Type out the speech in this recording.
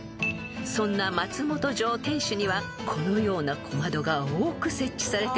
［そんな松本城天守にはこのような小窓が多く設置されています］